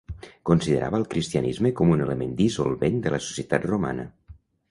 Considerava el cristianisme com a un element dissolvent de la societat romana.